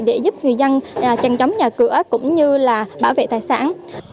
để giúp người dân chẳng chống nhà cửa cũng như bảo vệ tài sản